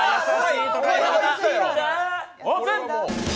オープン！